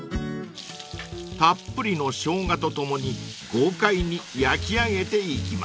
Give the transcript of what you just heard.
［たっぷりのショウガと共に豪快に焼き上げていきます］